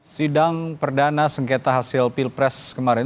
sidang perdana sengketa hasil pilpres kemarin